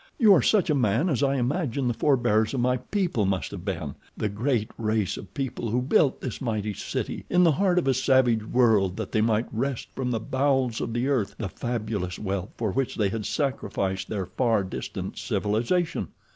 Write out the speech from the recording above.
You are such a man as I imagine the forbears of my people must have been—the great race of people who built this mighty city in the heart of a savage world that they might wrest from the bowels of the earth the fabulous wealth for which they had sacrificed their far distant civilization.